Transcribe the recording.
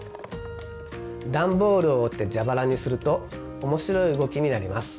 ダンボールを折ってジャバラにすると面白い動きになります。